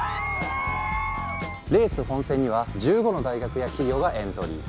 レース本戦には１５の大学や企業がエントリー。